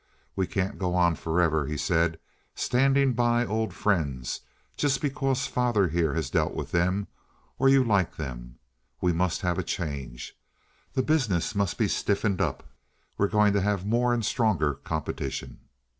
"We can't go on forever," he said, "standing by old friends, just because father here has dealt with them, or you like them. We must have a change. The business must be stiffened up; we're going to have more and stronger competition."